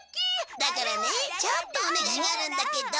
だからねちょっとお願いがあるんだけど。